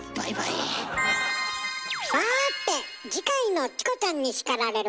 さて次回の「チコちゃんに叱られる！」